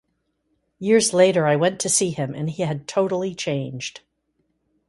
Years later, I went to see him and he had totally changed.